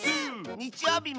にちようびも。